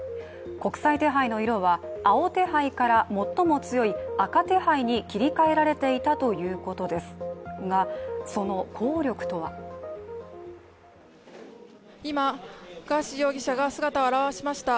国際手配の色は青手配から最も強い赤手配に切り替えられていたということですがその効力とは今、ガーシー容疑者が姿を現しました。